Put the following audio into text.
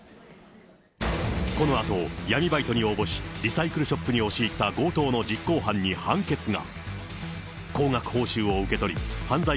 このあと、闇バイトに応募し、リサイクルショップに押し入った強盗の実行犯に判決が。